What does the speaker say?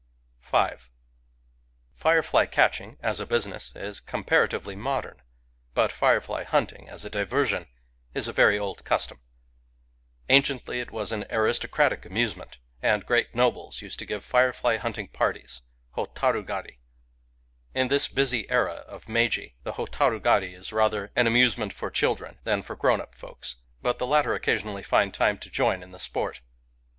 Firefly catching, as a business, is comparatively modern; but firefly hunting, as a diversion, is a very old custom. Anciently it was an aristocratic amusement; and great nobles used to give fire fly hunting parties, — hotaru gari. In this busy era of Meiji the hotaru gari is rather an amuse Digitized by Google 150 FIREFLIES merit for children than for grown up folksy but the latter occasionally find time to join in the sport.